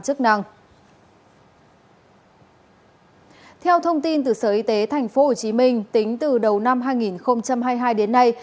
theo thông tin từ sở y tế tp hcm tính từ đầu năm hai nghìn hai mươi hai đến nay